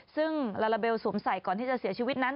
ซึ่งลาลาเบลสวมใส่ก่อนที่จะเสียชีวิตนั้น